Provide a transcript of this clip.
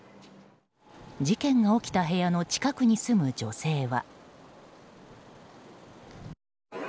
事件が起きた部屋の近くに住む女性は。